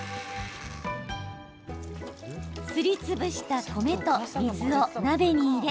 すりつぶした米と水を鍋に入れ